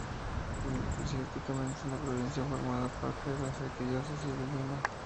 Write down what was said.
Eclesiásticamente la provincia formaba parte de la arquidiócesis de Lima.